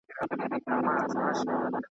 ¬ تر خېښ، نس راپېش.